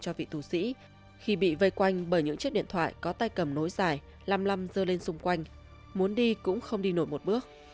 cho vị thủ sĩ khi bị vây quanh bởi những chiếc điện thoại có tay cầm nối dài làm lăm dơ lên xung quanh muốn đi cũng không đi nổi một bước